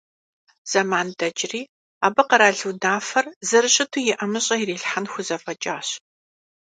Зэман дэкӀри, абы къэрал унафэр зэрыщыту и ӀэмыщӀэ ирилъхьэн хузэфӀэкӀащ.